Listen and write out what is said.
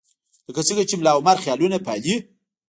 لکه څنګه چې ملاعمر خیالونه پالي.